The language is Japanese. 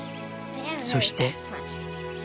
そして。